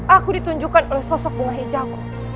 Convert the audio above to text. aku ditunjukkan oleh sosok bunga hijauku